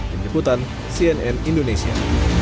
penyebutan cnn indonesia